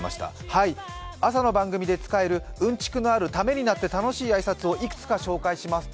はい、朝の番組で使えるうんちくのある、ためになって楽しい挨拶をいくつか紹介します。